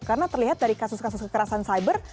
karena terlihat dari kasus kasus kekerasan cyber